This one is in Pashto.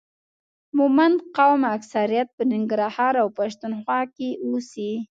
مومند قوم اکثریت په ننګرهار او پښتون خوا کې اوسي